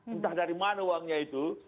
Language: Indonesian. entah dari mana uangnya itu